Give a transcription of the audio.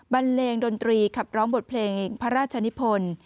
บันเลงดนตรีขับร้องบทเพลงพระราชนิพล